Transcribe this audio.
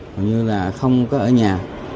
hầu như là không có ở nhà